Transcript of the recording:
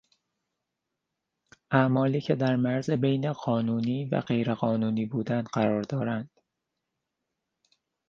اعمالی که در مرز بین قانونی و غیر قانونی بودن قرار دارند